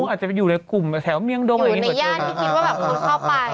อาจจะไปอยู่ในกลุ่มแถวเมียงดงหรือในย่านที่คิดว่าแบบคนเข้าไป